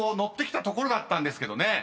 ッてきたところだったんですけどね］